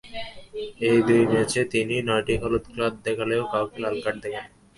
এ দুই ম্যাচে তিনি নয়টি হলুদ কার্ড দেখালেও কাউকে লাল কার্ড দেখাননি।